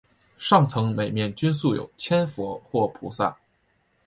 上层每面均塑有千佛或菩萨。